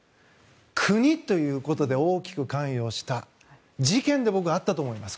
国ということで大きく関与した事件でも僕はあったと思います。